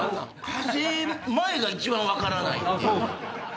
派生前が一番分からないっていう。